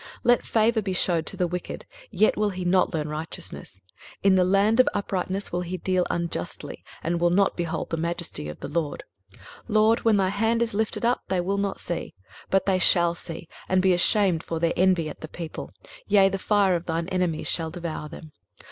23:026:010 Let favour be shewed to the wicked, yet will he not learn righteousness: in the land of uprightness will he deal unjustly, and will not behold the majesty of the LORD. 23:026:011 LORD, when thy hand is lifted up, they will not see: but they shall see, and be ashamed for their envy at the people; yea, the fire of thine enemies shall devour them.